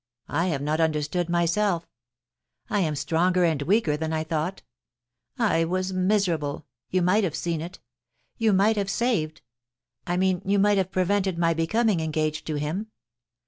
I have not understood myselfl I am stronger and weaker than I thought I was miserable. You might have seen it You might have saved — I mean you might have prevented my becoming engaged to him.